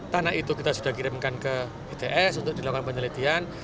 tanah itu kita sudah kirimkan ke its untuk dilakukan penelitian